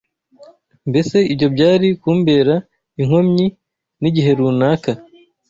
Mbese ibyo byari kumbera inkomyi n’igihe runaka?